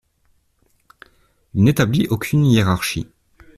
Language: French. Il n'établit aucune hiérarchie.